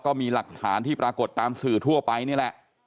ก็มีหลักฐานที่ปรากฏตามสื่อทั่วไปนี่แหละ